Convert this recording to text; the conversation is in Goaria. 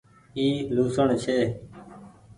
اي لهوسڻ ڇي۔